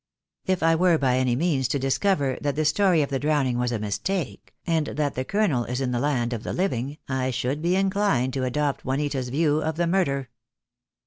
If I were by any means to discover that the story of the drowning was a mistake, and that the Colonel is in the land of the living, I should be inclined to adopt Juanita's view of the murder."